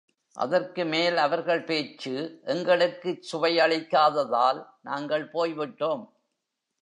அதற்குமேல் அவர்கள் பேச்சு எங்களுக்குச் சுவையளிக்காததால் நாங்கள் போய் விட்டோம்.